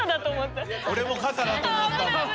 俺も傘だと思ったもん。